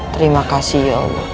terima kasih ya allah